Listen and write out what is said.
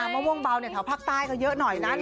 มะม่วงเบาแถวภาคใต้ก็เยอะหน่อยนะ